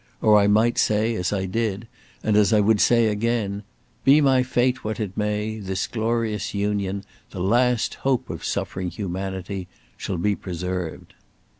Or I might say, as I did, and as I would say again: Be my fate what it may, this glorious Union, the last hope of suffering humanity, shall be preserved."